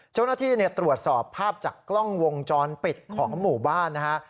เจ้าหน้าที่ตรวจสอบภาพจากกล้องวงจรปิดของหมู่บ้านนะฮะ